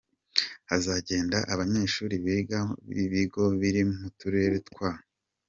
Hazagenda abanyeshuri biga mu bigo biri mu turere twa:.